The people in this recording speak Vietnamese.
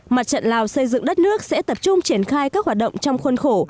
mặt trận lào xây dựng đất nước sẽ tập trung triển khai các hoạt động trong khuôn khổ